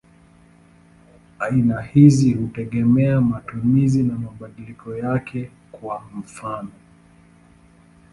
Aina hizi hutegemea matumizi na mabadiliko yake; kwa mfano.